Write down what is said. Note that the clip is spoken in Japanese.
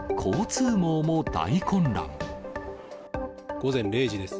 午前０時です。